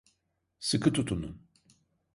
Sıkı tutunun!